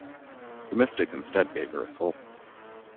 The mystic instead gave her a soul.